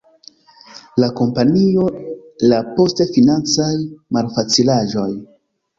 La kompanio la post financaj malfacilaĵoj.